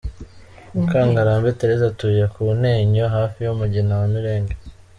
Mukangarambe Therese, atuye ku Ntenyo hafi y’umugina wa Mirenge.